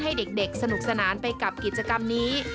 ให้เด็กสนุกสนานไปกับกิจกรรมนี้